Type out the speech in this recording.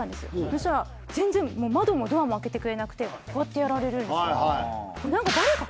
したら全然もう窓もドアも開けてくれなくてこうやってやられるんですよ